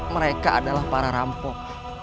mereka adalah para rampok